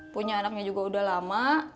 punya anaknya juga udah lama